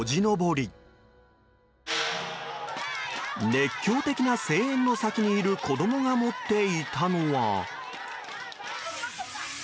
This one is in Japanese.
熱狂的な声援の先にいる子供が持っていたのは。